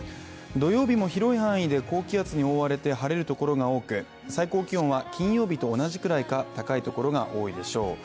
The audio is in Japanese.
土曜日も広い範囲で高気圧に覆われて晴れるところが多く最高気温は金曜日と同じくらいか高いところが多いでしょう。